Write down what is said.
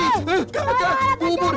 eh kamu jangan